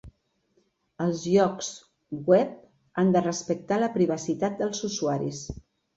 Els llocs web han de respectar la privacitat dels usuaris.